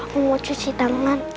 aku mau cuci tangan